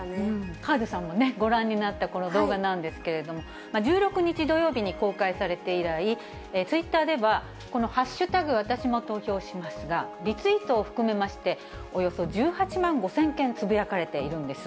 刈川さんもご覧になったこの動画なんですが、１６日土曜日に公開されて以来、ツイッターでは、私も投票しますがリツイートを含めまして、およそ１８万５０００件つぶやかれているんです。